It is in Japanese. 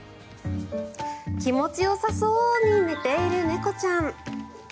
気持ちよさそうに寝ている猫ちゃん。